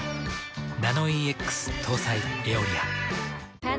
ナノイーＸ搭載「エオリア」。